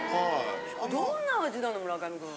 どんな味なの村上くん。